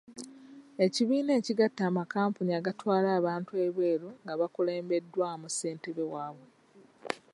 Ekibiina ekigatta amakampuni agatwala abantu ebweru nga bakulembeddwamu ssentebe waabwe.